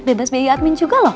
bebas biaya admin juga loh